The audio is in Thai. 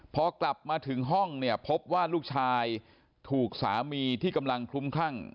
พอกลับมาถึงห้องเนี่ยพบว่าลูกชายถูกสามีที่กำลังคลุ้มคลั่ง